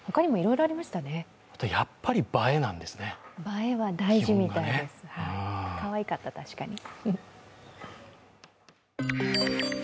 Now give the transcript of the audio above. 映えは大事みたいです、かわいかった、確かに。